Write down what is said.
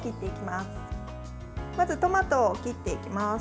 まずトマトを切っていきます。